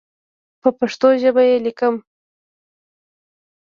په پښتو ژبه یې لیکم.